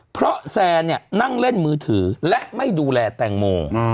เพราะแซนเนี่ยนั่งเล่นมือถือและไม่ดูแลแตงโม